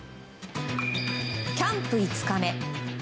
キャンプ５日目。